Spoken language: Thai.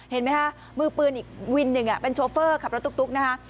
เห็นไหมคะมือปืนอีกวินหนึ่งเป็นโชเฟอร์ขับรถตุ๊กนะคะ